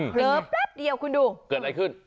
เผลอแป๊บเดียวคุณดูเกิดอะไรขึ้น